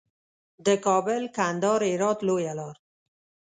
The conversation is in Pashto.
د کابل، کندهار، هرات لویه لار.